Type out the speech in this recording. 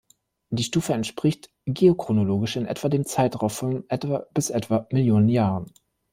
Die Stufe entspricht geochronologisch in etwa dem Zeitraum von etwa bis etwa Millionen Jahren.